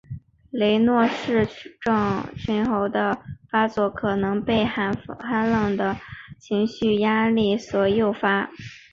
雷诺氏症候群的发作可能被寒冷或是情绪压力所诱发。